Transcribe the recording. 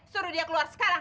suruh dia keluar sekarang